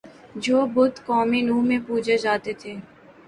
جو بت قوم نوح میں پوجے جاتے تھے